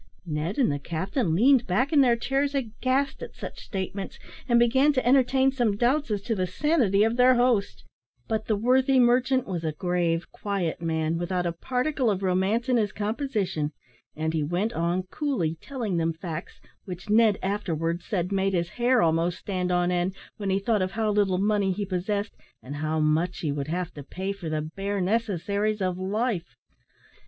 Ned and the captain leaned back in their chairs aghast at such statements, and began to entertain some doubts as to the sanity of their host; but the worthy merchant was a grave, quiet man, without a particle of romance in his composition, and he went on coolly telling them facts which Ned afterwards said made his hair almost stand on end, when he thought of how little money he possessed, and how much he would have to pay for the bare necessaries of life.